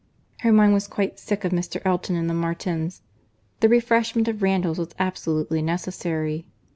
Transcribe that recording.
Her mind was quite sick of Mr. Elton and the Martins. The refreshment of Randalls was absolutely necessary.